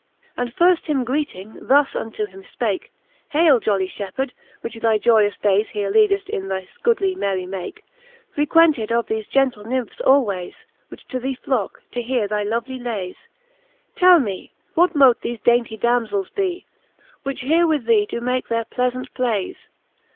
And firft him greeting, thus unto him fpake ; Haile, jolly ihepheard, which thy joyous dayes Here leadeft in this goodly merry make, Frequented of thefe gentle Nymphes alwayes, Which to thee flocke, to heare thy lovely layes 3 Tell me, what mote thefe dainty Damzels be, Which here with thee doe make their pleafant playes